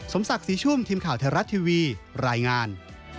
ศักดิ์ศรีชุ่มทีมข่าวไทยรัฐทีวีรายงาน